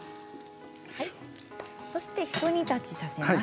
そして、ひと煮立ちさせます。